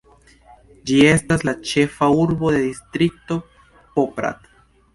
Ĝi estas la ĉefa urbo de distrikto Poprad.